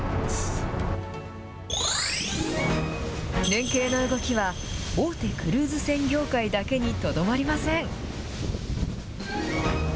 連携の動きは、大手クルーズ船業界だけにとどまりません。